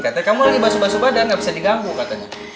katanya kamu lagi basu basu badan gak bisa diganggu katanya